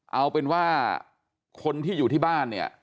เอาเป็นว่าคนที่อยู่ที่บ้านเนี่ย